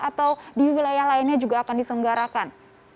atau di wilayah lainnya juga akan disenggarakan